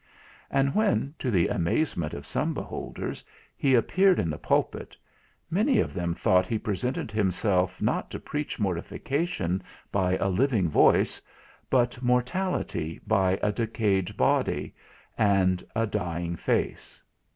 And when, to the amazement of some beholders, he appeared in the pulpit, many of them thought he presented himself not to preach mortification by a living voice, but mortality by a decayed body, and a dying face.